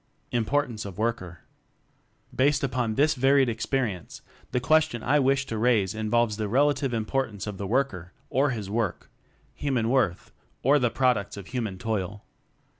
Importance of Worker Based upon this varied experience, the question I wish to raise involves the relative importance of the work er, or his work human worth, or the products of human toil.